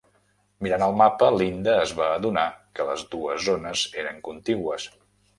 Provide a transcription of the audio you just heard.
Mirant el mapa, Linda es va adonar que les dues zones eren contigües.